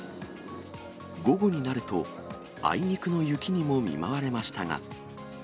午後になると、あいにくの雪にも見舞われましたが。